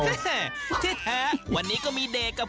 แม่ที่แท้วันนี้ก็มีเด็กกับ